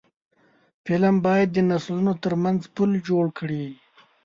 فلم باید د نسلونو ترمنځ پل جوړ کړي